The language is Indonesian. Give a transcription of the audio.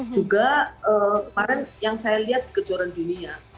juga kemarin yang saya lihat kejuaraan dunia